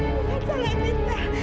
bukan salah evita